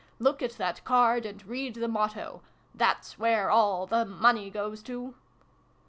Look at that card, and read the motto. That's where all the money goes to !